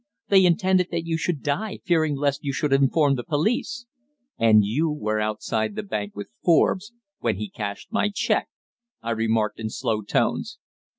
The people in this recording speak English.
They intended that you should die, fearing lest you should inform the police." "And you were outside the bank with Forbes when he cashed my cheque!" I remarked in slow tones.